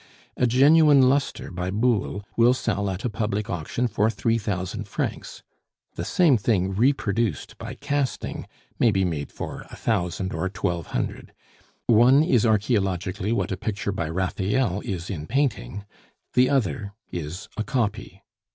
A genuine lustre by Boulle will sell at a public auction for three thousand francs; the same thing reproduced by casting may be made for a thousand or twelve hundred; one is archaeologically what a picture by Raphael is in painting, the other is a copy.